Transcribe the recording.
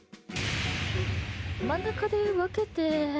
真ん中で分けて。